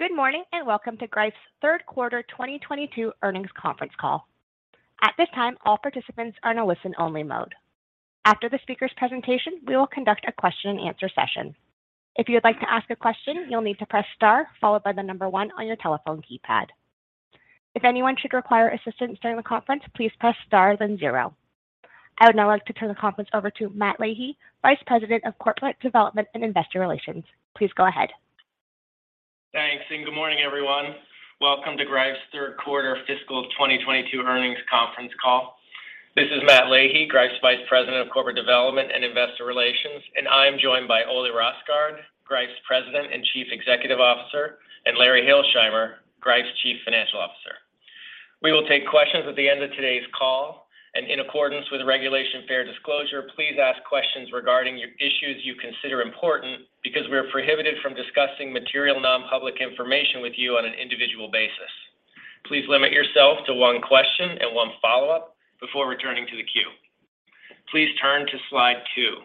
Good morning, and welcome to Greif's third quarter 2022 earnings conference call. At this time, all participants are in a listen-only mode. After the speaker's presentation, we will conduct a question-and-answer session. If you would like to ask a question, you'll need to press Star followed by the number One on your telephone keypad. If anyone should require assistance during the conference, please press Star, then zero. I would now like to turn the conference over to Matt Leahy, Vice President of Corporate Development and Investor Relations. Please go ahead. Thanks, and good morning, everyone. Welcome to Greif's third quarter fiscal 2022 earnings conference call. This is Matt Leahy, Greif's Vice President of Corporate Development and Investor Relations, and I am joined by Ole Rosgaard, Greif's President and Chief Executive Officer, and Larry Hilsheimer, Greif's Chief Financial Officer. We will take questions at the end of today's call. In accordance with Regulation Fair Disclosure, please ask questions regarding your issues you consider important because we are prohibited from discussing material non-public information with you on an individual basis. Please limit yourself to one question and one follow-up before returning to the queue. Please turn to slide two.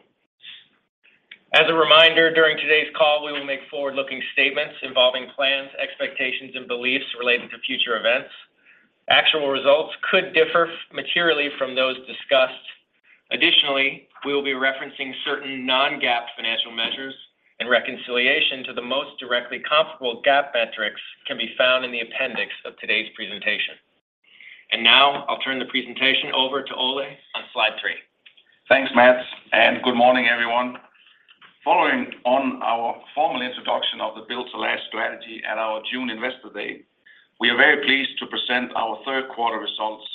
As a reminder, during today's call, we will make forward-looking statements involving plans, expectations, and beliefs related to future events. Actual results could differ materially from those discussed. Additionally, we will be referencing certain non-GAAP financial measures and reconciliation to the most directly comparable GAAP metrics can be found in the appendix of today's presentation. Now I'll turn the presentation over to Ole on slide three. Thanks, Matt, and good morning, everyone. Following on our formal introduction of the Build to Last strategy at our June Investor Day, we are very pleased to present our third quarter results.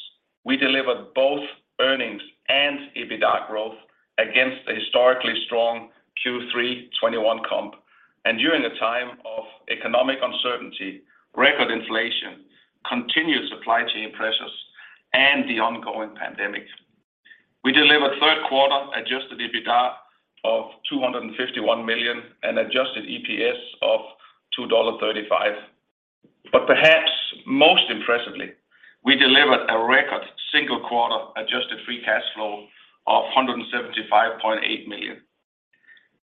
We delivered both earnings and EBITDA growth against a historically strong Q3 2021 comp. During a time of economic uncertainty, record inflation, continued supply chain pressures, and the ongoing pandemic. We delivered third quarter adjusted EBITDA of $251 million and adjusted EPS of $2.35. Perhaps most impressively, we delivered a record single quarter adjusted free cash flow of $175.8 million.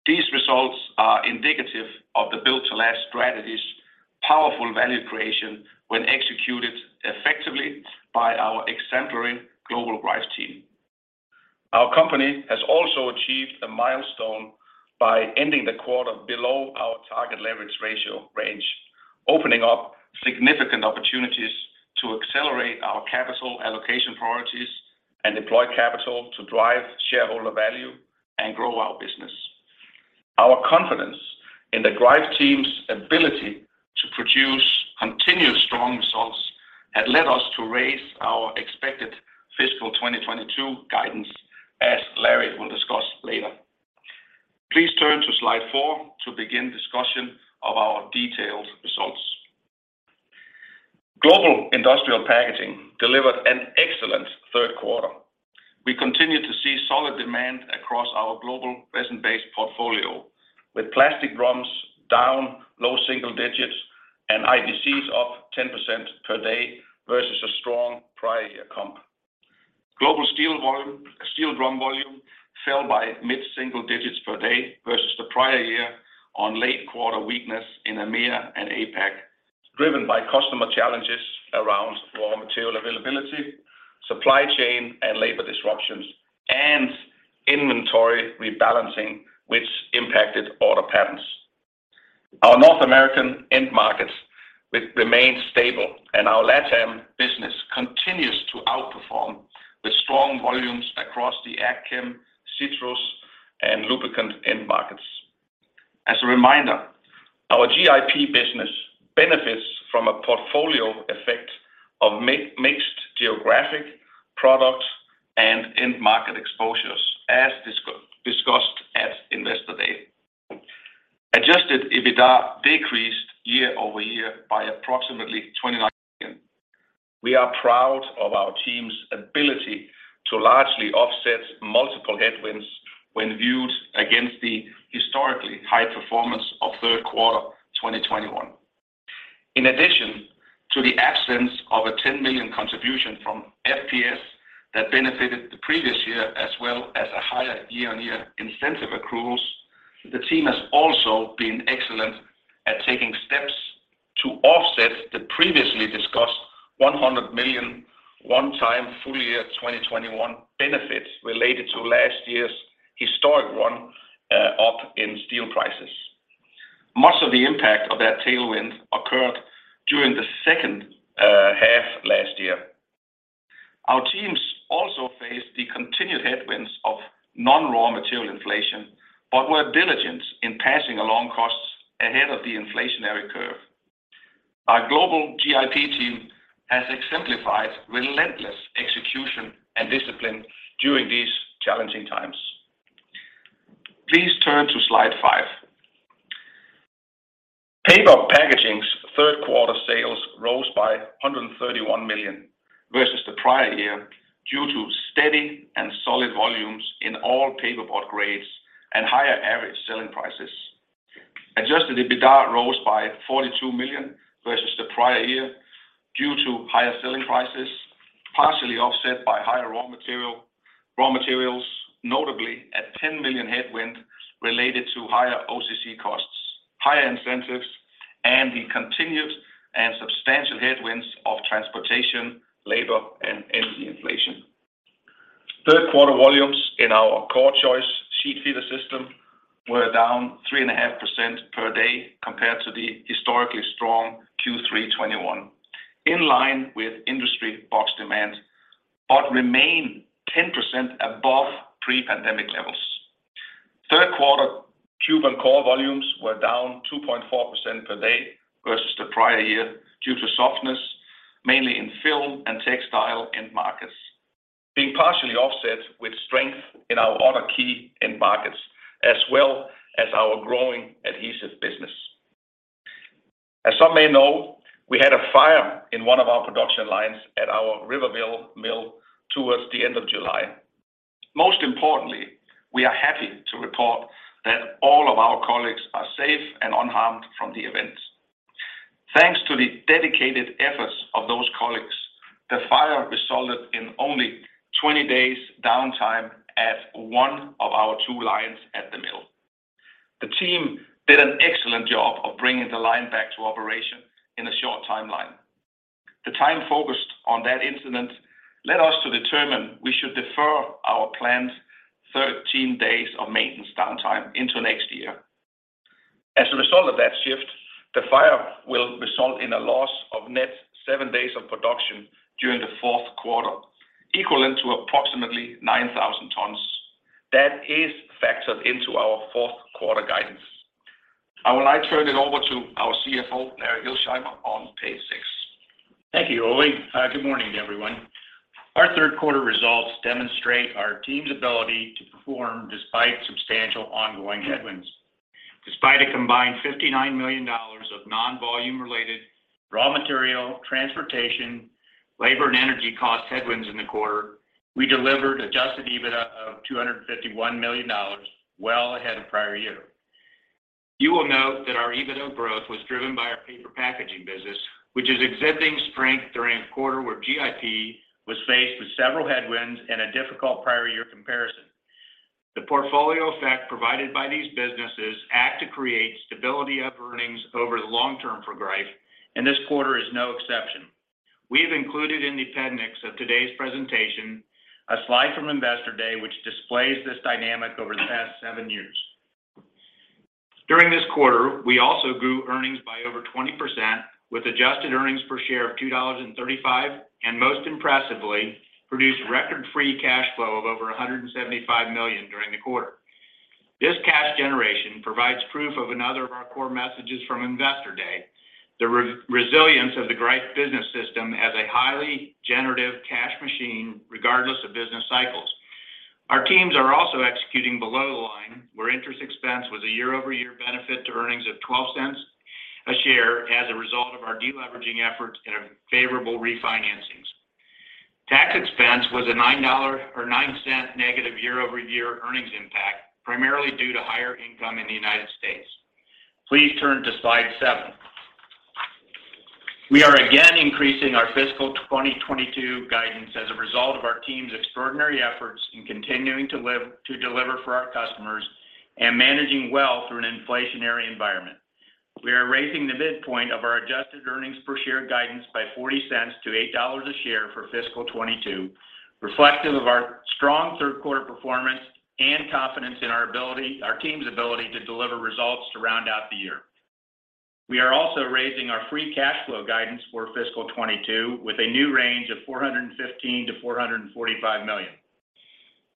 These results are indicative of the Build to Last strategy's powerful value creation when executed effectively by our exemplary global Greif team. Our company has also achieved a milestone by ending the quarter below our target leverage ratio range, opening up significant opportunities to accelerate our capital allocation priorities and deploy capital to drive shareholder value and grow our business. Our confidence in the Greif team's ability to produce continuous strong results had led us to raise our expected fiscal 2022 guidance, as Larry will discuss later. Please turn to slide 4 to begin discussion of our detailed results. Global Industrial Packaging delivered an excellent third quarter. We continued to see solid demand across our global resin-based portfolio, with plastic drums down low single digits percentage and IBCs up 10% per day versus a strong prior year comp. Steel drum volume fell by mid-single digits per day versus the prior year on late-quarter weakness in EMEA and APAC, driven by customer challenges around raw material availability, supply chain and labor disruptions, and inventory rebalancing which impacted order patterns. Our North American end markets remain stable, and our LATAM business continues to outperform with strong volumes across the ag chem, citrus, and lubricant end markets. As a reminder, our GIP business benefits from a portfolio effect of mixed geographic products and end market exposures, as discussed at Investor Day. Adjusted EBITDA decreased year-over-year by approximately $29 million. We are proud of our team's ability to largely offset multiple headwinds when viewed against the historically high performance of third quarter 2021. In addition to the absence of a $10 million contribution from FPS that benefited the previous year, as well as a higher year-on-year incentive accruals, the team has also been excellent at taking steps to offset the previously discussed $100 million one-time full year 2021 benefits related to last year's historic run up in steel prices. Much of the impact of that tailwind occurred during the second half last year. Our teams also faced the continued headwinds of non-raw material inflation but were diligent in passing along costs ahead of the inflationary curve. Our global GIP team has exemplified relentless execution and discipline during these challenging times. Please turn to slide five. Paper Packaging's third quarter sales rose by $131 million versus the prior year due to steady and solid volumes in all paperboard grades and higher average selling prices. Adjusted EBITDA rose by $42 million versus the prior year due to higher selling prices. Partially offset by higher raw materials, notably a $10 million headwind related to higher OCC costs, higher incentives, and the continued and substantial headwinds of transportation, labor, and energy inflation. Third quarter volumes in our CorrChoice sheet feeder system were down 3.5% per day compared to the historically strong Q3 2021, in line with industry box demand, but remained 10% above pre-pandemic levels. Third quarter cube and core volumes were down 2.4% per day versus the prior year due to softness, mainly in film and textile end markets, being partially offset with strength in our other key end markets, as well as our growing adhesive business. As some may know, we had a fire in one of our production lines at our Riverville mill towards the end of July. Most importantly, we are happy to report that all of our colleagues are safe and unharmed from the event. Thanks to the dedicated efforts of those colleagues, the fire resulted in only 20 days downtime at one of our two lines at the mill. The team did an excellent job of bringing the line back to operation in a short timeline. The time focused on that incident led us to determine we should defer our planned 13 days of maintenance downtime into next year. As a result of that shift, the fire will result in a loss of net 7 days of production during the fourth quarter, equivalent to approximately 9,000 tons. That is factored into our fourth quarter guidance. I will now turn it over to our CFO, Larry Hilsheimer, on page 6. Thank you, Ole. Good morning, everyone. Our third quarter results demonstrate our team's ability to perform despite substantial ongoing headwinds. Despite a combined $59 million of non-volume related raw material, transportation, labor, and energy cost headwinds in the quarter, we delivered adjusted EBITDA of $251 million, well ahead of prior year. You will note that our EBITDA growth was driven by our Paper Packaging business, which is exhibiting strength during a quarter where GIP was faced with several headwinds and a difficult prior year comparison. The portfolio effect provided by these businesses act to create stability of earnings over the long term for Greif, and this quarter is no exception. We have included in the appendix of today's presentation a slide from Investor Day, which displays this dynamic over the past seven years. During this quarter, we also grew earnings by over 20% with adjusted earnings per share of $2.35, and most impressively, produced record free cash flow of over $175 million during the quarter. This cash generation provides proof of another of our core messages from Investor Day, the resiliency of the Greif business system as a highly generative cash machine regardless of business cycles. Our teams are also executing below the line where interest expense was a year-over-year benefit to earnings of $0.12 a share as a result of our deleveraging efforts and a favorable refinancing. Tax expense was a $0.09 negative year-over-year earnings impact, primarily due to higher income in the United States. Please turn to slide 7. We are again increasing our fiscal 2022 guidance as a result of our team's extraordinary efforts in continuing to deliver for our customers and managing well through an inflationary environment. We are raising the midpoint of our adjusted earnings per share guidance by $0.40 to $8 a share for fiscal 2022, reflective of our strong third quarter performance and confidence in our team's ability to deliver results to round out the year. We are also raising our free cash flow guidance for fiscal 2022 with a new range of $415 million-$445 million.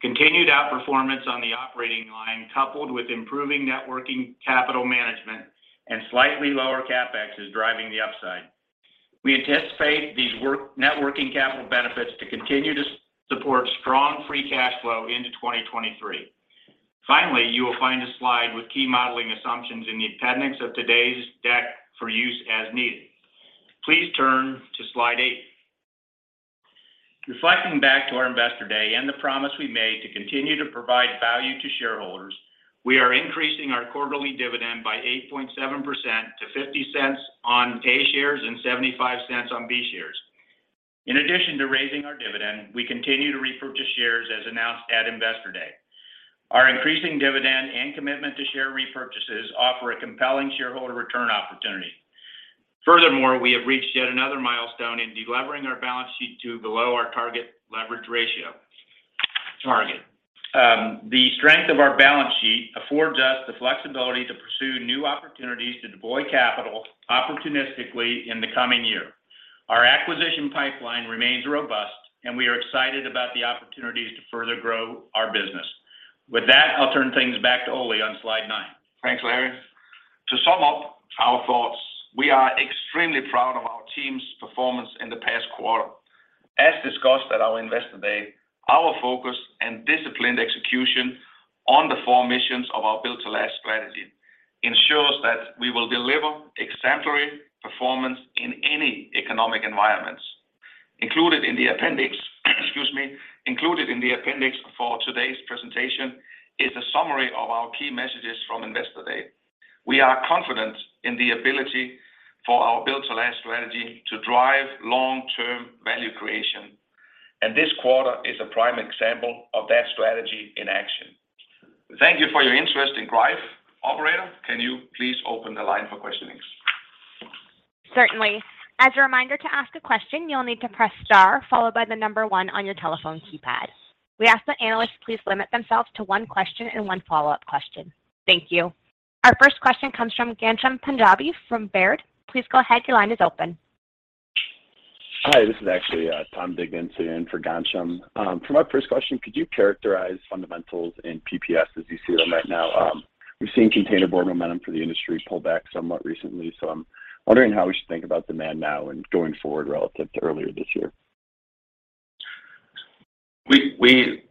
Continued outperformance on the operating line coupled with improving working capital management and slightly lower CapEx is driving the upside. We anticipate these working capital benefits to continue to support strong free cash flow into 2023. Finally, you will find a slide with key modeling assumptions in the appendix of today's deck for use as needed. Please turn to slide 8. Reflecting back to our Investor Day and the promise we made to continue to provide value to shareholders, we are increasing our quarterly dividend by 8.7% to $0.50 on A shares and $0.75 on B shares. In addition to raising our dividend, we continue to repurchase shares as announced at Investor Day. Our increasing dividend and commitment to share repurchases offer a compelling shareholder return opportunity. Furthermore, we have reached yet another milestone in delevering our balance sheet to below our target leverage ratio target. The strength of our balance sheet affords us the flexibility to pursue new opportunities to deploy capital opportunistically in the coming year. Our acquisition pipeline remains robust, and we are excited about the opportunities to further grow our business. With that, I'll turn things back to Ole on slide nine. Thanks, Larry. To sum up our thoughts, we are extremely proud of our team's performance in the past quarter. As discussed at our Investor Day, our focus and disciplined execution on the four missions of our Build to Last strategy ensures that we will deliver exemplary performance in any economic environments. Included in the appendix for today's presentation is a summary of our key messages from Investor Day. We are confident in the ability for our Build to Last strategy to drive long-term value creation, and this quarter is a prime example of that strategy in action. Thank you for your interest in Greif. Operator, can you please open the line for questions? Certainly. As a reminder, to ask a question, you'll need to press star followed by the number one on your telephone keypad. We ask that analysts please limit themselves to one question and one follow-up question. Thank you. Our first question comes from Ghansham Panjabi from Baird. Please go ahead, your line is open. Hi, this is actually Tom Digenan sitting in for Ghansham. For my first question, could you characterize fundamentals in PPS as you see them right now? We've seen containerboard momentum for the industry pull back somewhat recently, so I'm wondering how we should think about demand now and going forward relative to earlier this year. We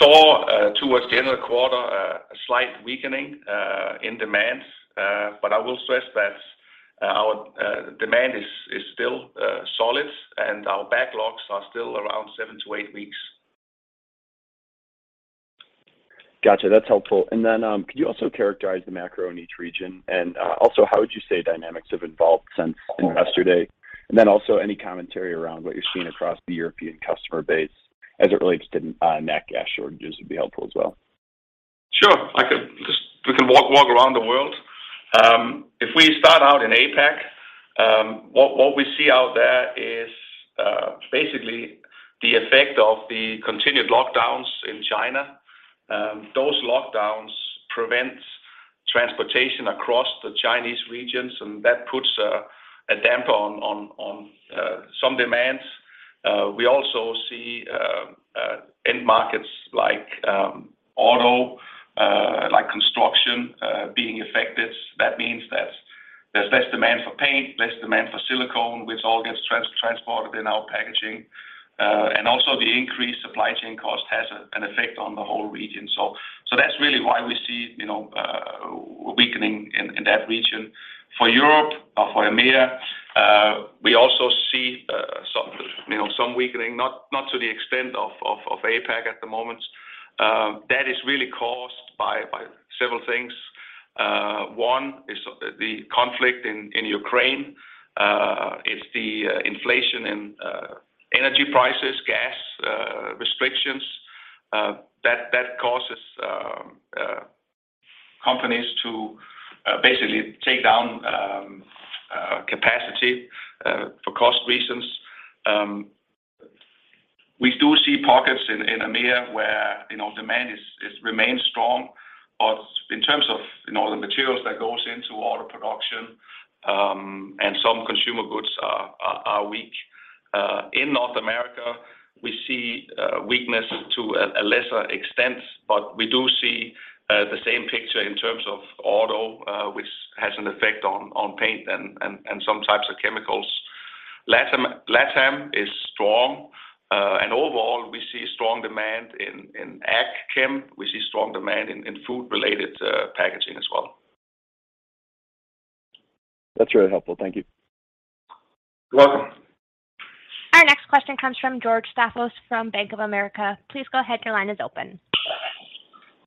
saw towards the end of the quarter a slight weakening in demand. I will stress that our demand is still solid, and our backlogs are still around 7-8 weeks. Gotcha. That's helpful. Could you also characterize the macro in each region? Also, how would you say dynamics have evolved since Investor Day? Also any commentary around what you're seeing across the European customer base as it relates to natural gas shortages would be helpful as well. Sure. We can walk around the world. If we start out in APAC, what we see out there is basically the effect of the continued lockdowns in China. Those lockdowns prevent transportation across the Chinese regions, and that puts a damper on some demands. We also see end markets like auto, like construction, being affected. That means that there's less demand for paint, less demand for silicone, which all gets transported in our packaging. Also the increased supply chain cost has an effect on the whole region. That's really why we see, you know, a weakening in that region. For Europe or for EMEIA, we also see some, you know, some weakening, not to the extent of APAC at the moment. That is really caused by several things. One is the conflict in Ukraine. It's the inflation in energy prices, gas, restrictions that causes companies to basically take down capacity for cost reasons. We do see pockets in EMEIA where, you know, demand is remained strong. But in terms of, you know, the materials that goes into auto production and some consumer goods are weak. In North America, we see weakness to a lesser extent, but we do see the same picture in terms of auto, which has an effect on paint and some types of chemicals. LATAM is strong. And overall, we see strong demand in ag chem. We see strong demand in food-related packaging as well. That's really helpful. Thank you. You're welcome. Our next question comes from George Staphos from Bank of America. Please go ahead, your line is open.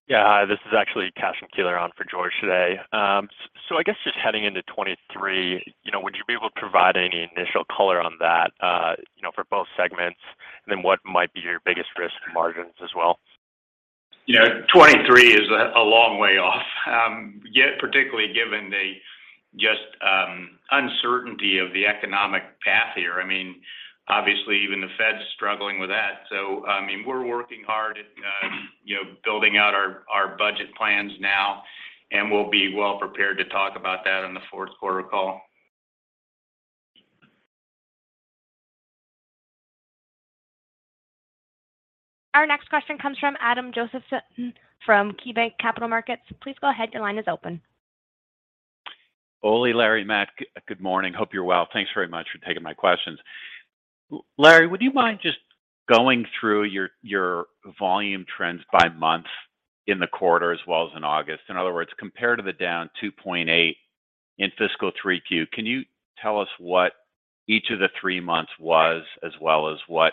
Hi, this is actually Cashen Keeler on for George today. I guess just heading into 2023, you know, would you be able to provide any initial color on that, you know, for both segments? What might be your biggest risks to margins as well? You know, 2023 is a long way off, yet particularly given just the uncertainty of the economic path here. I mean, obviously even the Fed's struggling with that. I mean, we're working hard at you know, building out our budget plans now, and we'll be well prepared to talk about that on the fourth quarter call. Our next question comes from Adam Josephson from KeyBanc Capital Markets. Please go ahead, your line is open. Ole, Larry, Matt, good morning. Hope you're well. Thanks very much for taking my questions. Larry, would you mind just going through your volume trends by month in the quarter as well as in August? In other words, compared to the down 2.8 in fiscal 3Q, can you tell us what each of the three months was as well as what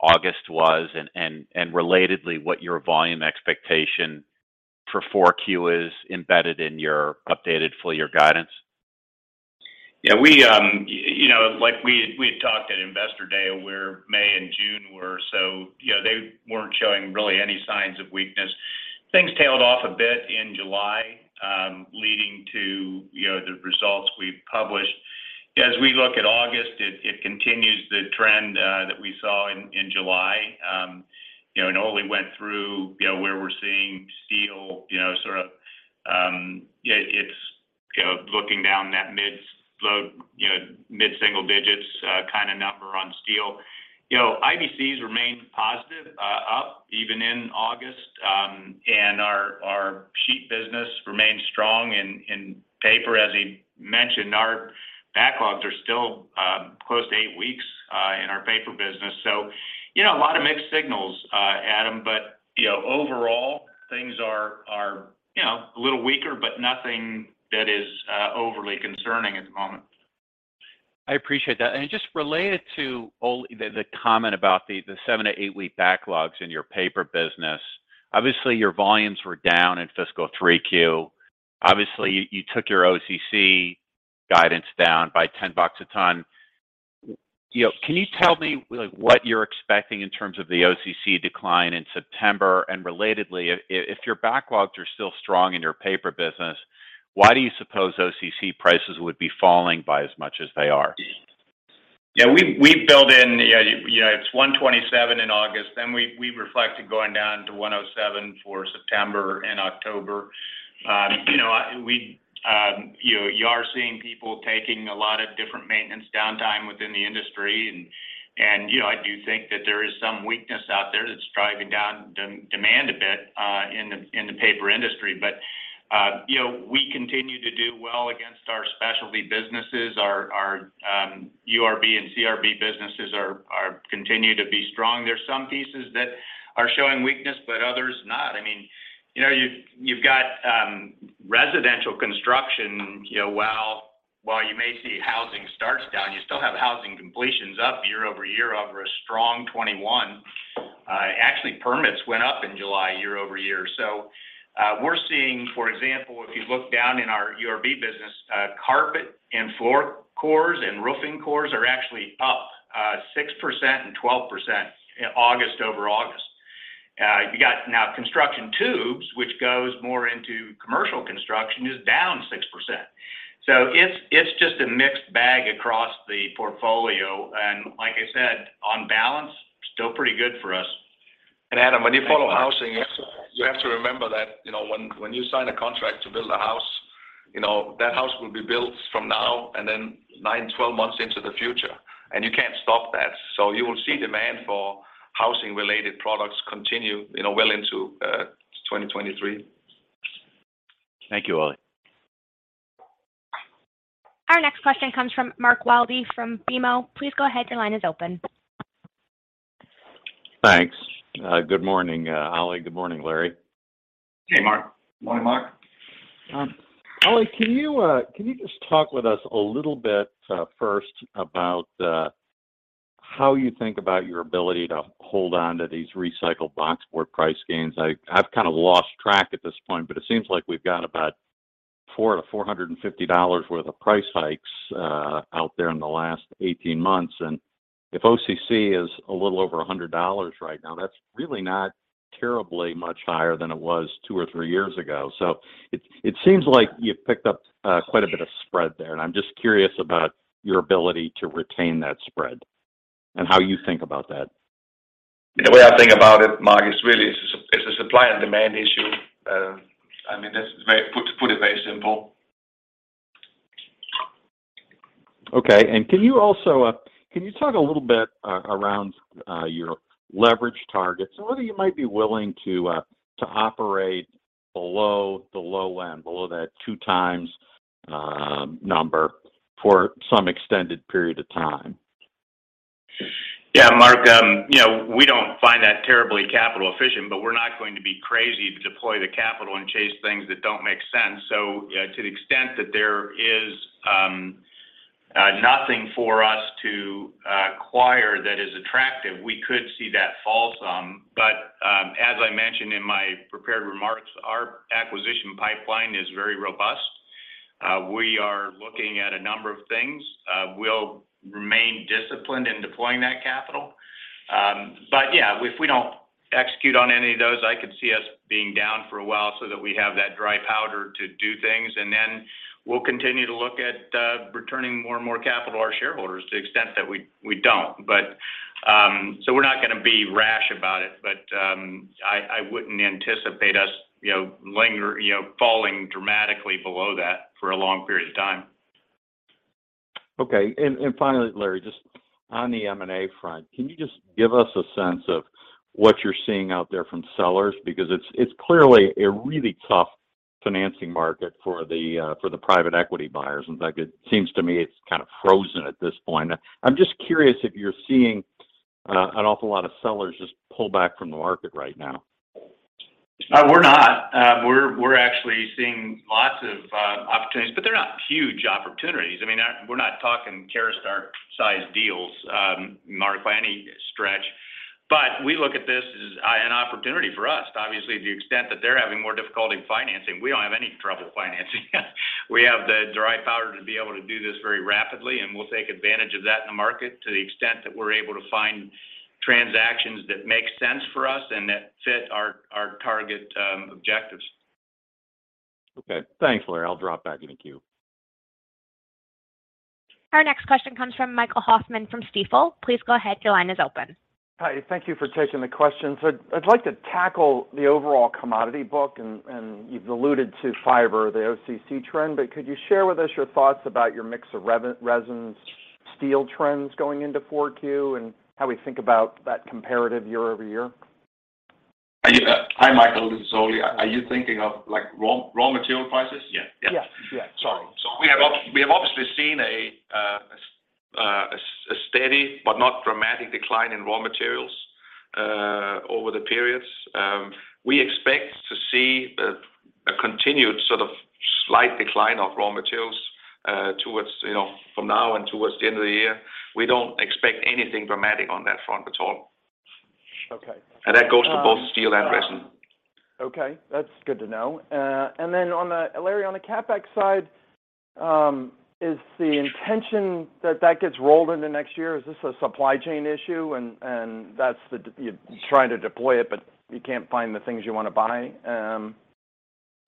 August was and relatedly, what your volume expectation for 4Q is embedded in your updated full year guidance? Yeah. We, you know, like we had talked at Investor Day, where May and June were so, you know, they weren't showing really any signs of weakness. Things tailed off a bit in July, leading to, you know, the results we published. As we look at August, it continues the trend that we saw in July. You know, Ole went through, you know, where we're seeing steel, you know, sort of, it's, you know, looking down that mid-single, you know, mid-single digits kind of number on steel. You know, IBCs remained positive, up even in August. Our sheet business remained strong in paper. As he mentioned, our backlogs are still close to 8 weeks in our paper business. You know, a lot of mixed signals, Adam. You know, overall, things are, you know, a little weaker, but nothing that is overly concerning at the moment. I appreciate that. Just related to Ole, the comment about the 7-8-week backlogs in your paper business. Obviously, your volumes were down in fiscal 3Q. Obviously, you took your OCC guidance down by $10 at a time. You know, can you tell me like what you're expecting in terms of the OCC decline in September? Relatedly, if your backlogs are still strong in your paper business, why do you suppose OCC prices would be falling by as much as they are? Yeah. We build in, you know, it's 127 in August, then we reflected going down to 107 for September and October. You know, you are seeing people taking a lot of different maintenance downtime within the industry. You know, I do think that there is some weakness out there that's driving down demand a bit, in the paper industry. You know, we continue to do well against our specialty businesses. Our URB and CRB businesses are continue to be strong. There's some pieces that are showing weakness, but others not. I mean, you know, you've got residential construction, you know, while you may see housing starts down, you still have housing completions up year over year over a strong 2021. Actually, permits went up in July year-over-year. We're seeing, for example, if you look down in our URB business, carpet and floor cores and roofing cores are actually up, 6% and 12% August over August. You got now construction tubes, which goes more into commercial construction, is down 6%. It's just a mixed bag across the portfolio, and like I said, on balance, still pretty good for us. Adam, when you follow housing, you have to remember that, you know, when you sign a contract to build a house, you know, that house will be built from now and then 9, 12 months into the future, and you can't stop that. You will see demand for housing-related products continue, you know, well into 2023. Thank you, Ole. Our next question comes from Mark Wilde from BMO. Please go ahead. Your line is open. Thanks. Good morning, Ole. Good morning, Larry. Hey, Mark. Good morning, Mark. Ole, can you just talk with us a little bit first about how you think about your ability to hold on to these recycled box board price gains? I've kind of lost track at this point, but it seems like we've got about $400-$450 worth of price hikes out there in the last 18 months. If OCC is a little over $100 right now, that's really not terribly much higher than it was 2 or 3 years ago. It seems like you've picked up quite a bit of spread there, and I'm just curious about your ability to retain that spread and how you think about that. The way I think about it, Mark, is really it's a supply and demand issue. I mean, put it very simple. Okay. Can you also talk a little bit around your leverage targets and whether you might be willing to operate below the low end, below that 2x number for some extended period of time? Yeah. Mark, you know, we don't find that terribly capital efficient, but we're not going to be crazy to deploy the capital and chase things that don't make sense. To the extent that there is nothing for us to acquire that is attractive, we could see that fall some. As I mentioned in my prepared remarks, our acquisition pipeline is very robust. We are looking at a number of things. We'll remain disciplined in deploying that capital. Yeah, if we don't execute on any of those, I could see us being down for a while so that we have that dry powder to do things. We'll continue to look at returning more and more capital to our shareholders to the extent that we don't. We're not gonna be rash about it. I wouldn't anticipate us, you know, falling dramatically below that for a long period of time. Okay. Finally, Larry, just on the M&A front, can you just give us a sense of what you're seeing out there from sellers? Because it's clearly a really tough financing market for the private equity buyers. In fact, it seems to me it's kind of frozen at this point. I'm just curious if you're seeing an awful lot of sellers just pull back from the market right now. We're not. We're actually seeing lots of opportunities, but they're not huge opportunities. I mean, we're not talking Caraustar size deals, Mark, by any stretch. We look at this as an opportunity for us. Obviously, to the extent that they're having more difficulty in financing, we don't have any trouble financing. We have the dry powder to be able to do this very rapidly, and we'll take advantage of that in the market to the extent that we're able to find transactions that make sense for us and that fit our target objectives. Okay. Thanks, Larry. I'll drop back in the queue. Our next question comes from Michael Hoffman from Stifel. Please go ahead. Your line is open. Hi. Thank you for taking the question. I'd like to tackle the overall commodity book, and you've alluded to fiber, the OCC trend. Could you share with us your thoughts about your mix of resins, steel trends going into 4Q and how we think about that comparative year-over-year? Hi, Michael. This is Ole. Are you thinking of like raw material prices? Yeah. Yeah. Yeah. Sorry. We have obviously seen a steady but not dramatic decline in raw materials over the periods. We expect to see a continued sort of slight decline of raw materials towards from now and towards the end of the year. We don't expect anything dramatic on that front at all. Okay. That goes to both steel and resin. Okay. That's good to know. Larry, on the CapEx side, is the intention that that gets rolled into next year? Is this a supply chain issue and you're trying to deploy it, but you can't find the things you wanna buy?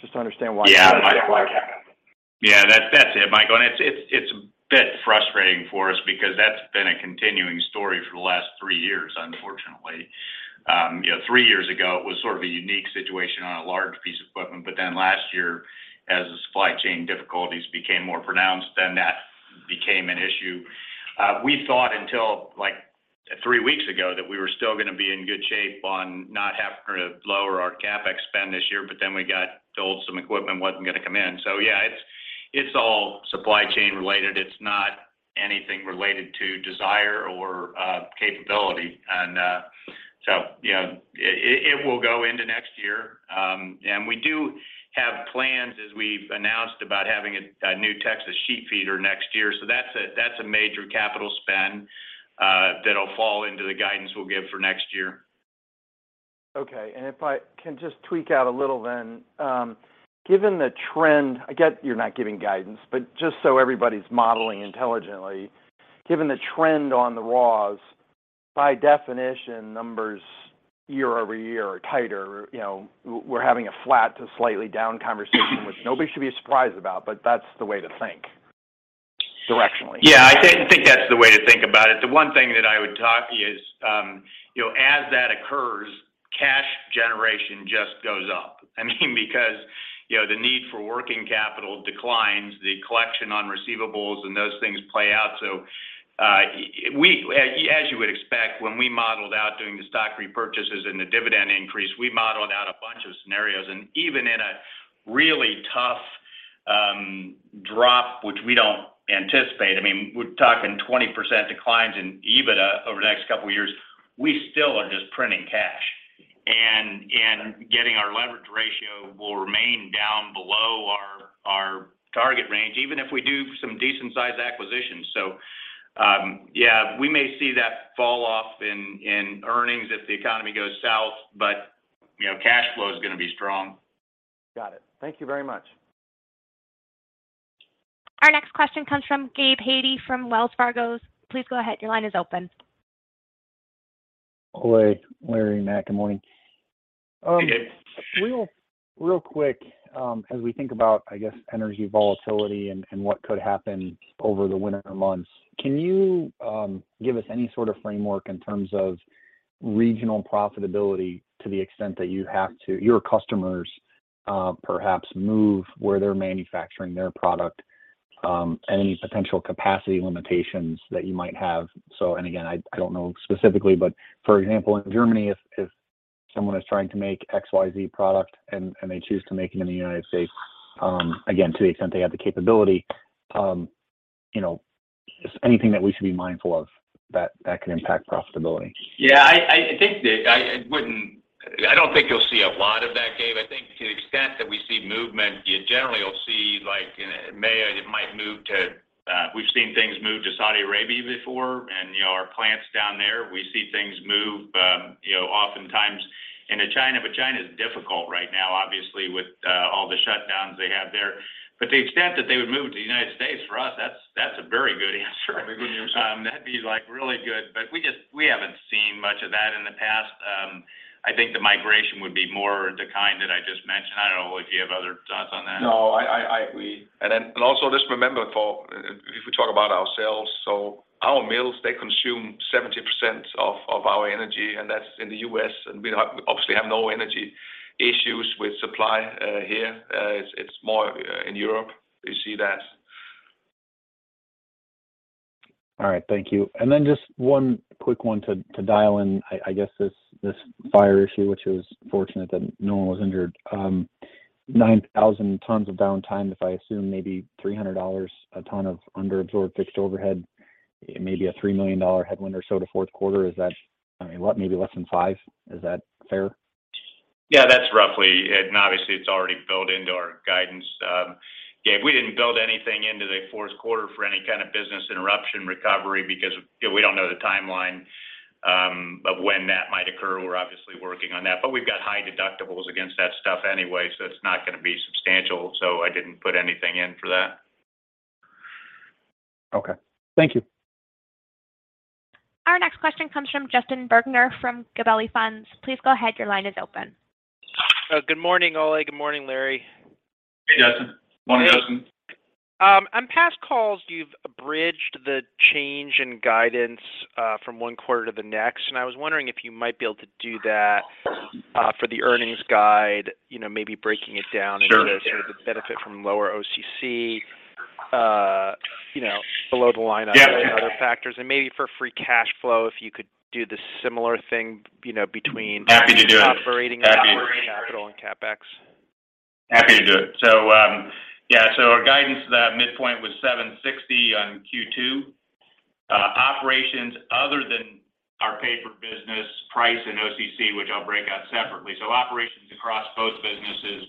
Just to understand why. Yeah. Why that happened? Yeah. That's it, Michael. It's a bit frustrating for us because that's been a continuing story for the last three years, unfortunately. You know, three years ago it was sort of a unique situation on a large piece of equipment, but then last year as the supply chain difficulties became more pronounced, then that became an issue. We thought until, like, three weeks ago that we were still gonna be in good shape on not having to lower our CapEx spend this year, but then we got told some equipment wasn't gonna come in. Yeah, it's all supply chain related. It's not anything related to desire or capability. You know, it will go into next year. We do have plans as we've announced about having a new Texas sheet feeder next year. That's a major capital spend, that'll fall into the guidance we'll give for next year. Okay. If I can just tweak out a little, given the trend. I get you're not giving guidance, but just so everybody's modeling intelligently, given the trend on the raws, by definition numbers year-over-year are tighter. You know, we're having a flat to slightly down conversation which nobody should be surprised about, but that's the way to think directionally. Yeah. I think that's the way to think about it. The one thing that I would talk about is, you know, as that occurs, cash generation just goes up. I mean, because, you know, the need for working capital declines, the collection on receivables and those things play out. As you would expect, when we modeled out doing the stock repurchases and the dividend increase, we modeled out a bunch of scenarios and even in a really tough drop, which we don't anticipate, I mean, we're talking 20% declines in EBITDA over the next couple of years, we still are just printing cash and getting our leverage ratio will remain down below our target range, even if we do some decent-sized acquisitions. We may see that fall off in earnings if the economy goes south, but you know, cash flow is gonna be strong. Got it. Thank you very much. Our next question comes from Gabe Hajde from Wells Fargo. Please go ahead, your line is open. Ole, Larry, Matt, good morning. Hey, Gabe. Real quick, as we think about, I guess, energy volatility and what could happen over the winter months, can you give us any sort of framework in terms of regional profitability to the extent that you have to. Your customers perhaps move where they're manufacturing their product, any potential capacity limitations that you might have? Again, I don't know specifically, but for example, in Germany, if someone is trying to make XYZ product and they choose to make it in the United States, again, to the extent they have the capability, you know, just anything that we should be mindful of that can impact profitability. Yeah. I don't think you'll see a lot of that, Gabe. I think to the extent that we see movement, you generally will see it might move to, we've seen things move to Saudi Arabia before and, you know, our plants down there. We see things move, you know, oftentimes into China, but China is difficult right now, obviously, with all the shutdowns they have there. To the extent that they would move to the United States, for us, that's a very good answer. A very good answer. That'd be, like, really good. We haven't seen much of that in the past. I think the migration would be more the kind that I just mentioned. I don't know if you have other thoughts on that. No. Just remember, if we talk about ourselves, our mills consume 70% of our energy, and that's in the U.S., and we obviously have no energy issues with supply here. It's more in Europe, you see that. All right. Thank you. Then just one quick one to dial in. I guess this fire issue, which it was fortunate that no one was injured. 9,000 tons of downtime, if I assume maybe $300 a ton of underabsorbed fixed overhead, it may be a $3 million headwind or so to fourth quarter. Is that I mean, what maybe less than five? Is that fair? Yeah, that's roughly it, and obviously it's already built into our guidance. Gabe, we didn't build anything into the fourth quarter for any kind of business interruption recovery because, you know, we don't know the timeline of when that might occur. We're obviously working on that. We've got high deductibles against that stuff anyway, so it's not gonna be substantial. I didn't put anything in for that. Okay. Thank you. Our next question comes from Justin Bergner from Gabelli Funds. Please go ahead, your line is open. Good morning, Ole. Good morning, Larry. Hey, Justin. Morning, Justin. On past calls, you've bridged the change in guidance from one quarter to the next, and I was wondering if you might be able to do that for the earnings guide, you know, maybe breaking it down into- Sure. Yeah The sort of benefit from lower OCC, you know, below the line of Yeah other factors. Maybe for free cash flow, if you could do the similar thing, you know, between- Happy to do it. operating and capital and CapEx. Happy to do it. Our guidance, that midpoint was $0.76 on Q2. Operations other than our paper business pricing and OCC, which I'll break out separately. Operations across both businesses,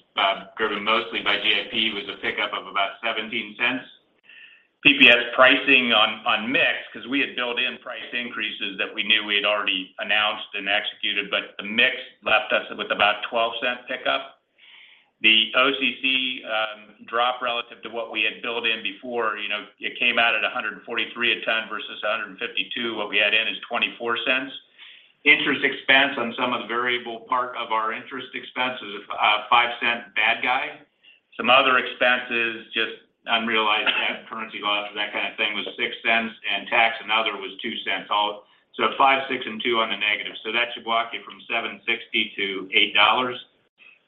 driven mostly by GIP, was a pickup of about $0.17. PPS pricing on mix, 'cause we had built in price increases that we knew we had already announced and executed, but the mix left us with about $0.12 pickup. The OCC drop relative to what we had built in before, you know, it came out at $143 a ton versus $152. What we add in is $0.24. Interest expense on some of the variable part of our interest expense is a $0.05 bad guy. Some other expenses, just unrealized currency loss or that kind of thing, was $0.06, and tax and other was $0.02. Five, six, and two on the negative. That should walk you from $7.60 to $8.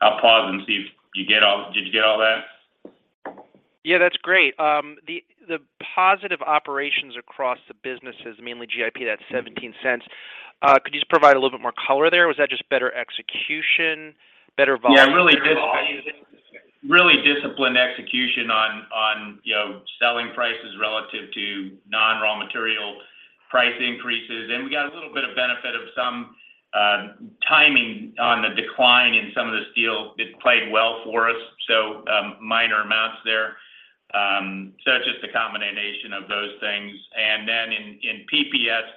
I'll pause and see if you get all that. Did you get all that? Yeah, that's great. The positive operations across the businesses, mainly GIP, that $0.17, could you just provide a little bit more color there? Was that just better execution, better volume? Yeah, really disciplined execution on, you know, selling prices relative to non-raw material price increases. We got a little bit of benefit of some timing on the decline in some of the steel. It played well for us, minor amounts there. It's just a combination of those things. Then in PPS,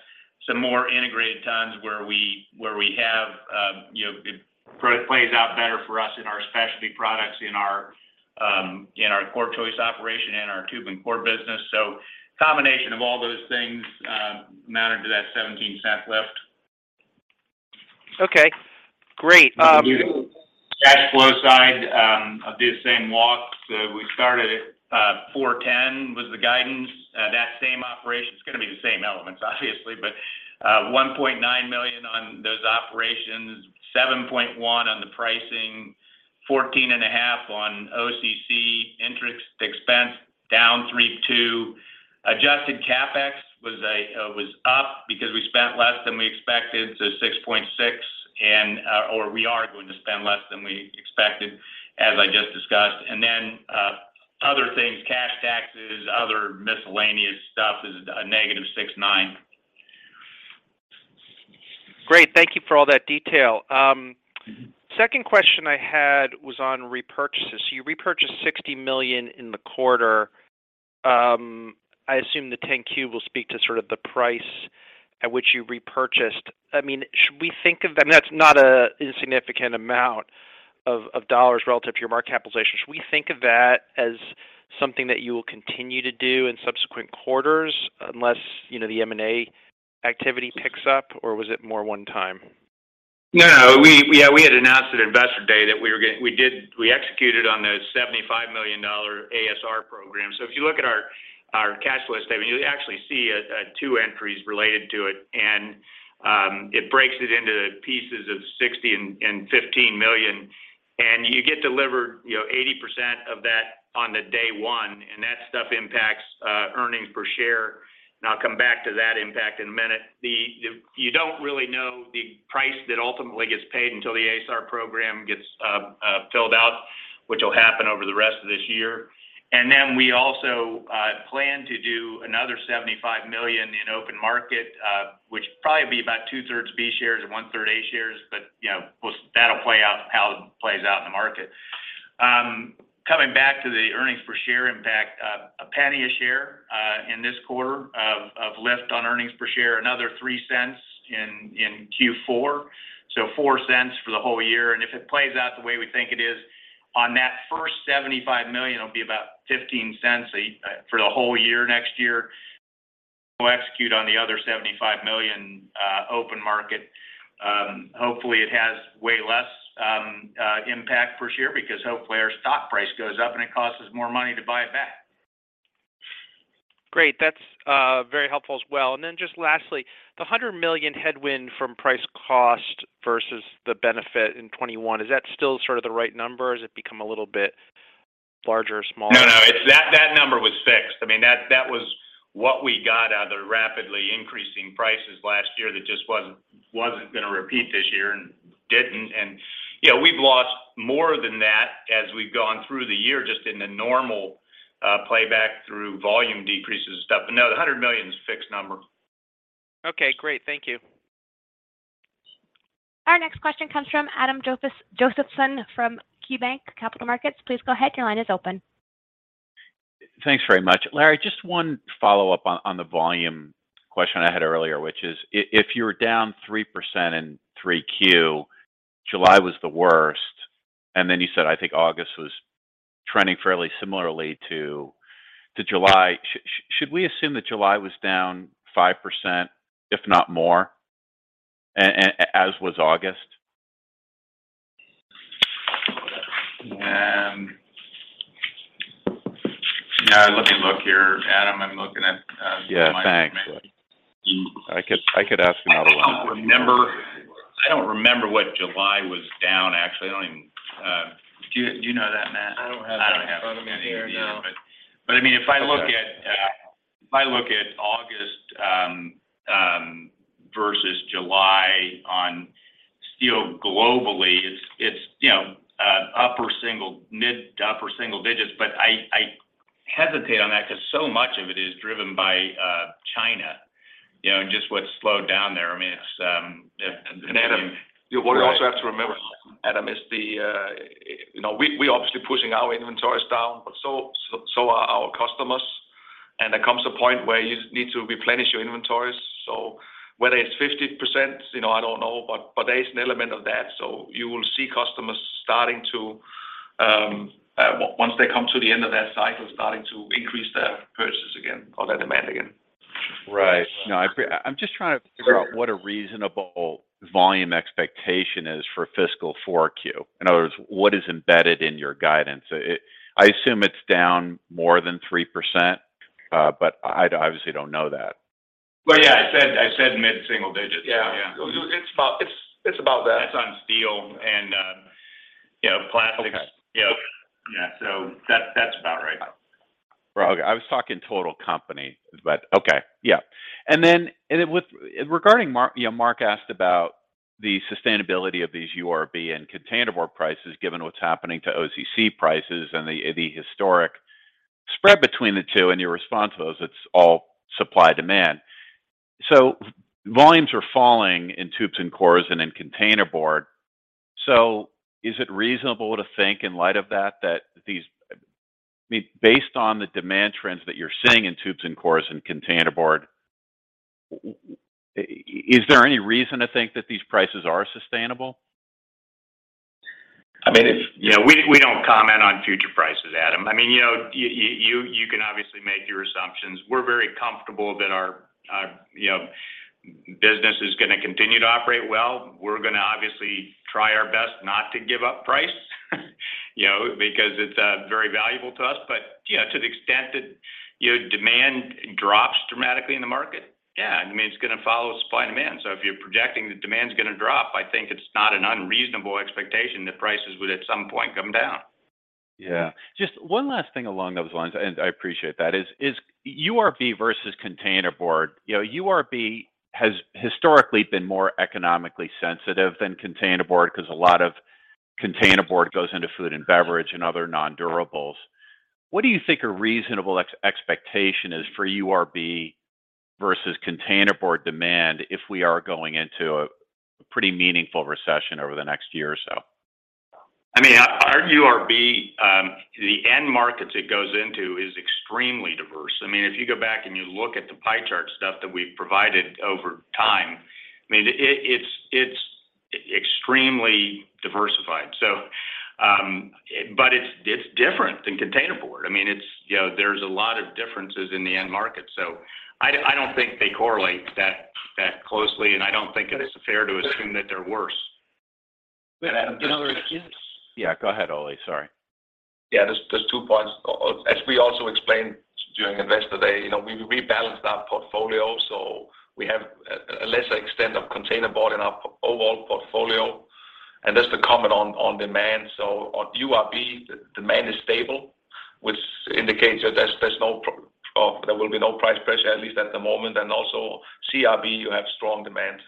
some more integrated tons where we have, you know, it plays out better for us in our specialty products in our CorrChoice operation, in our tube and core business. Combination of all those things amounted to that $0.17 lift. Okay, great. Cash flow side, I'll do the same walk. We started at $410 million was the guidance. That same operation, it's gonna be the same elements, obviously, but $1.9 million on those operations, $7.1 million on the pricing, $14.5 million on OCC. Interest expense down $32 million. Adjusted CapEx was up because we spent less than we expected, so $6.6 million. We are going to spend less than we expected, as I just discussed. Other things, cash taxes, other miscellaneous stuff is a -$69 million. Great. Thank you for all that detail. Second question I had was on repurchases. You repurchased $60 million in the quarter. I assume the 10-Q will speak to sort of the price at which you repurchased. I mean, should we think of that as not an insignificant amount of dollars relative to your market capitalization. Should we think of that as something that you will continue to do in subsequent quarters unless you know the M&A activity picks up, or was it more one time? No. Yeah, we had announced at Investor Day that we executed on the $75 million ASR program. If you look at our cash flow statement, you actually see two entries related to it. It breaks it into pieces of $60 million and $15 million. You get delivered, you know, 80% of that on day one, and that stuff impacts earnings per share. I'll come back to that impact in a minute. You don't really know the price that ultimately gets paid until the ASR program gets filled out, which will happen over the rest of this year. Then we also plan to do another $75 million in open market, which probably be about 2/3 B shares and 1/3 A shares. You know, that'll play out how it plays out in the market. Coming back to the earnings per share impact. $0.01 per share in this quarter of lift on earnings per share. Another $0.03 in Q4, so $0.04 for the whole year. If it plays out the way we think it is, on that first $75 million, it'll be about $0.15 for the whole year next year. We'll execute on the other $75 million open market. Hopefully it has way less impact per share because hopefully our stock price goes up and it costs us more money to buy it back. Great. That's very helpful as well. Just lastly, the $100 million headwind from price cost versus the benefit in 2021, is that still sort of the right number or has it become a little bit larger or smaller? No, no. That number was fixed. I mean, that was what we got out of the rapidly increasing prices last year that just wasn't gonna repeat this year and didn't. You know, we've lost more than that as we've gone through the year just in the normal payback through volume decreases and stuff. No, the $100 million is a fixed number. Okay, great. Thank you. Our next question comes from Adam Josephson from KeyBanc Capital Markets. Please go ahead, your line is open. Thanks very much. Larry, just one follow-up on the volume question I had earlier, which is if you're down 3% in 3Q, July was the worst, and then you said, I think August was trending fairly similarly to July. Should we assume that July was down 5%, if not more, as was August? Yeah, let me look here, Adam. I'm looking at, Yeah, thanks. I could ask another one. I don't remember what July was down. Actually, do you know that, Matt? I don't have it in front of me here, no. I mean, if I look at HRC steel globally, it's, you know, mid- to upper single digits. I hesitate on that 'cause so much of it is driven by China, you know, and just what's slowed down there. I mean, it's Adam, what we also have to remember, Adam, is you know, we're obviously pushing our inventories down, but so are our customers. There comes a point where you need to replenish your inventories. Whether it's 50%, you know, I don't know, but there is an element of that. You will see customers starting to once they come to the end of that cycle, starting to increase their purchases again or their demand again. Right. No, I'm just trying to figure out what a reasonable volume expectation is for fiscal 4Q. In other words, what is embedded in your guidance? I assume it's down more than 3%, but I obviously don't know that. Well, yeah. I said mid-single digits. Yeah. It's about that. That's on steel and, you know, plastics. Okay. You know? Yeah. That, that's about right. Well, okay. I was talking total company, but okay. Yeah. Then, with regard to, you know, Mark asked about the sustainability of these URB and containerboard prices, given what's happening to OCC prices and the historic spread between the two, and your response was it's all supply and demand. Volumes are falling in tubes and cores and in containerboard. Is it reasonable to think in light of that these—I mean, based on the demand trends that you're seeing in tubes and cores and containerboard, is there any reason to think that these prices are sustainable? I mean, you know, we don't comment on future prices, Adam. I mean, you know, you can obviously make your assumptions. We're very comfortable that our business is gonna continue to operate well. We're gonna obviously try our best not to give up price, you know, because it's very valuable to us. You know, to the extent that, you know, demand drops dramatically in the market, yeah, I mean, it's gonna follow supply and demand. If you're projecting the demand's gonna drop, I think it's not an unreasonable expectation that prices would at some point come down. Yeah. Just one last thing along those lines, and I appreciate that, is URB versus containerboard. You know, URB has historically been more economically sensitive than containerboard because a lot of containerboard goes into food and beverage and other non-durables. What do you think a reasonable expectation is for URB versus containerboard demand if we are going into a pretty meaningful recession over the next year or so? I mean, our URB, the end markets it goes into is extremely diverse. I mean, if you go back and you look at the pie chart stuff that we've provided over time, I mean, it's extremely diversified. But it's different than containerboard. I mean, you know, there's a lot of differences in the end market. I don't think they correlate that closely, and I don't think that it's fair to assume that they're worse. Adam, you know there is. Yeah, go ahead, Ole. Sorry. Yeah. There's two points. As we also explained during Investor Day, you know, we rebalanced our portfolio, so we have a lesser extent of containerboard in our overall portfolio. Just to comment on demand. On URB, demand is stable, which indicates that there will be no price pressure, at least at the moment. Also CRB, you have strong demand.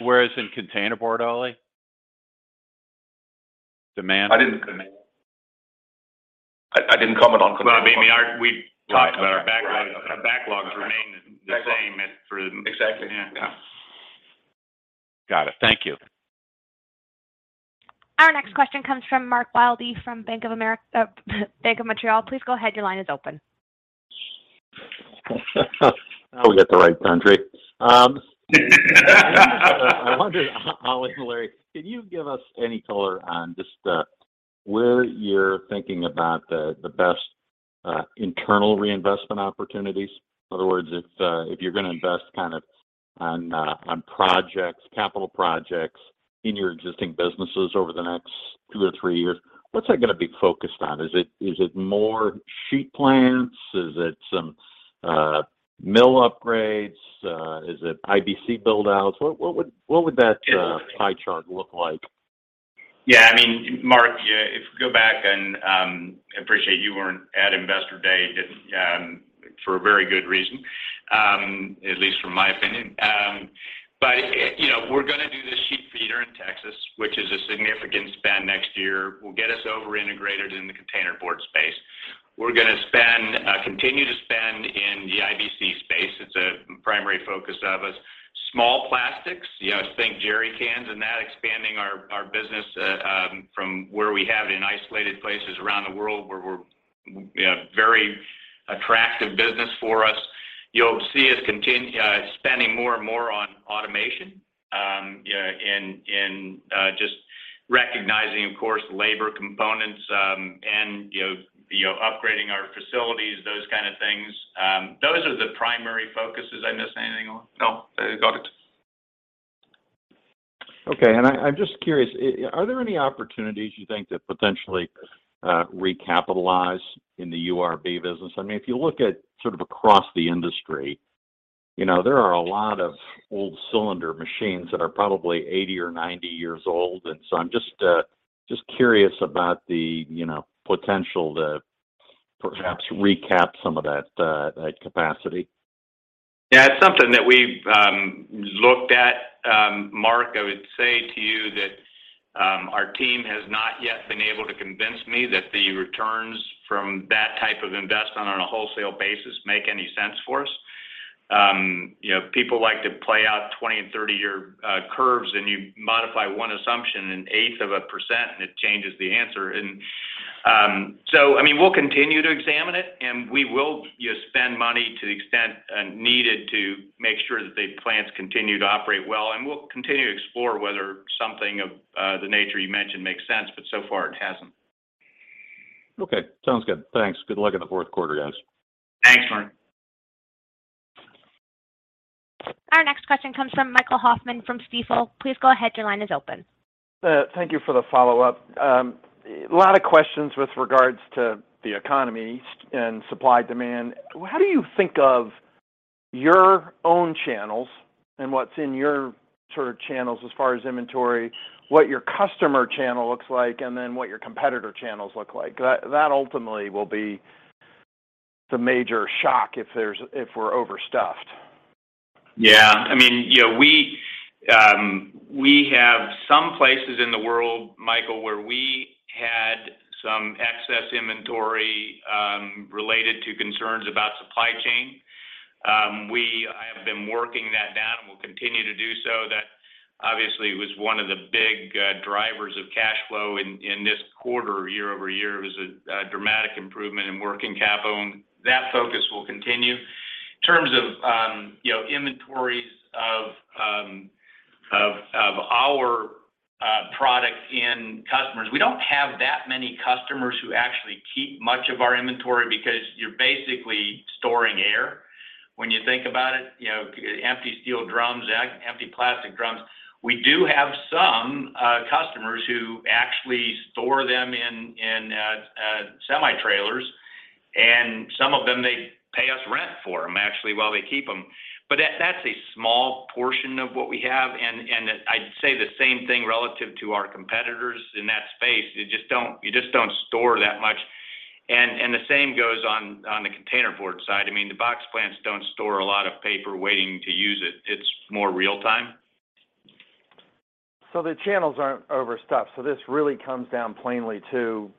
Whereas in containerboard, Ole? Demand? I didn't comment. I didn't comment on containerboard. Well, I mean, we talked about our backlogs. Our backlogs remain the same at through- Exactly. Yeah. Got it. Thank you. Our next question comes from Mark Wilde from Bank of Montreal. Please go ahead, your line is open. Now we got the right country. I wonder, Ole and Larry, can you give us any color on just where you're thinking about the best internal reinvestment opportunities? In other words, if you're gonna invest kind of on projects, capital projects in your existing businesses over the next 2-3 years, what's that gonna be focused on? Is it more sheet plants? Is it some mill upgrades? Is it IBC build outs? What would that pie chart look like? Yeah. I mean, Mark, if we go back and appreciate you weren't at Investor Day, just for a very good reason, at least in my opinion. You know, we're gonna do this sheet feeder in Texas, which is a significant spend next year. Will get us more integrated in the containerboard space. We're gonna spend, continue to spend in the IBC space. It's a primary focus of us. Small plastics, you know, think jerry cans and that expanding our business from where we have it in isolated places around the world, where we have a very attractive business for us. You'll see us spending more and more on automation, you know, in just recognizing, of course, labor components, and you know, upgrading our facilities, those kind of things. Those are the primary focuses. I miss anything, Ole? No. You got it. Okay. I'm just curious, are there any opportunities you think to potentially recapitalize in the URB business? I mean, if you look at sort of across the industry, you know, there are a lot of old cylinder machines that are probably 80 or 90 years old. I'm just curious about the, you know, potential to perhaps recap some of that capacity. Yeah, it's something that we've looked at, Mark. I would say to you that our team has not yet been able to convince me that the returns from that type of investment on a wholesale basis make any sense for us. You know, people like to play out 20- and 30-year curves, and you modify one assumption an eighth of a percent, and it changes the answer. I mean, we'll continue to examine it, and we will just spend money to the extent needed to make sure that the plants continue to operate well. We'll continue to explore whether something of the nature you mentioned makes sense, but so far it hasn't. Okay. Sounds good. Thanks. Good luck in the fourth quarter, guys. Thanks, Mark. Our next question comes from Michael Hoffman from Stifel. Please go ahead. Your line is open. Thank you for the follow-up. A lot of questions with regards to the economy and supply and demand. How do you think of your own channels and what's in your sort of channels as far as inventory, what your customer channel looks like, and then what your competitor channels look like? That ultimately will be the major shock if we're overstuffed. Yeah. I mean, you know, we have some places in the world, Michael, where we had some excess inventory related to concerns about supply chain. We have been working that down and will continue to do so. That obviously was one of the big drivers of cash flow in this quarter, year-over-year. It was a dramatic improvement in working capital, and that focus will continue. In terms of you know, inventories of our products in customers, we don't have that many customers who actually keep much of our inventory because you're basically storing air when you think about it. You know, empty steel drums, empty plastic drums. We do have some customers who actually store them in semi-trailers, and some of them they pay us rent for them actually while they keep them. That's a small portion of what we have. I'd say the same thing relative to our competitors in that space. You just don't store that much. The same goes on the containerboard side. I mean, the box plants don't store a lot of paper waiting to use it. It's more real time. The channels aren't overstuffed. This really comes down plainly to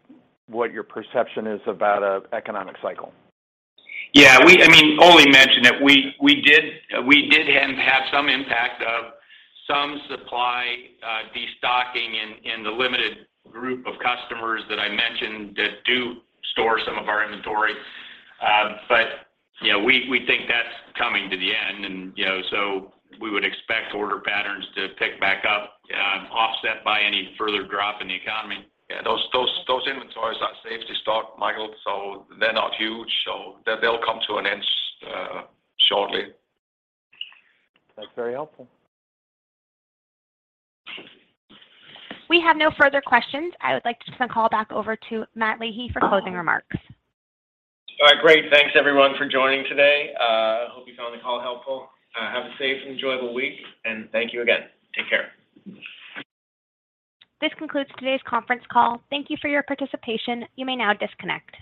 what your perception is about an economic cycle. Yeah. I mean, Ole mentioned it. We did have some impact of some supply destocking in the limited group of customers that I mentioned that do store some of our inventory. But you know, we think that's coming to the end and you know, so we would expect order patterns to pick back up, offset by any further drop in the economy. Yeah, those inventories are safety stock, Michael, so they're not huge. They'll come to an end shortly. That's very helpful. We have no further questions. I would like to turn the call back over to Matt Leahy for closing remarks. All right. Great. Thanks everyone for joining today. Hope you found the call helpful. Have a safe and enjoyable week, and thank you again. Take care. This concludes today's conference call. Thank you for your participation. You may now disconnect.